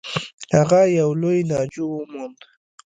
هغه یو لوی ناجو و موند.